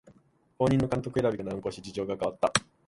後任の監督選びが難航し事情が変わった